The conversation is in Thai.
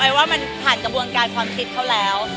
ว่ามันผ่านกระบวนการความคิดเขาแล้ว